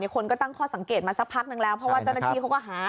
คนก็ตั้งข้อสังเกตมาสักพักนึงแล้วเพราะว่าเจ้าหน้าที่เขาก็หา